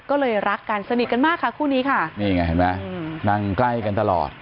ก็เลยรักกันสนิทกันมากค่ะคู่นี้ค่ะนี่ไงเห็นไหมนั่งใกล้กันตลอด